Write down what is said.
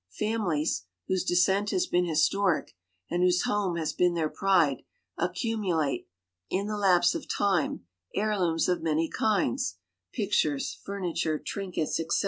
Families, whose descent has been historic, and whose home has been their pride, accumulate, in the lapse of time, heirlooms of many kinds pictures, furniture, trinkets, etc.